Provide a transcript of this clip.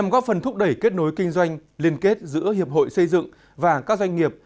góp phần thúc đẩy kết nối kinh doanh liên kết giữa hiệp hội xây dựng và các doanh nghiệp